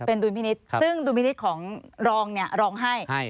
เป็นดุลพินิษฐ์ซึ่งดุลพินิษฐ์ของรองเนี่ยรองให้